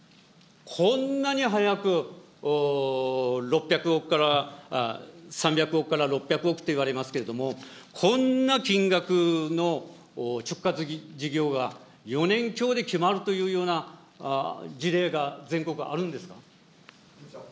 こんなに早く６００億から、３００億から６００億といわれますけれども、こんな金額の直轄事業が４年強で決まるというような事例が全国あるんですか。